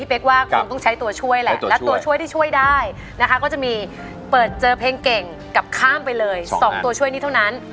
และตัวช่วยที่ช่วยได้นะคะก็จะมีเปิดเจอเพลงเก่งกลับข้ามไปเลย๒ตัวช่วยนี้เท่านั้น